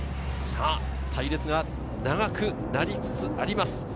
隊列が長くなりつつあります。